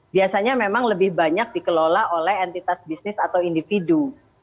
biasanya memang lebih banyak dikelola oleh entitas bisnis atau individu